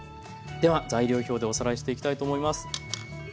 では材料表でおさらいしていきたいと思います。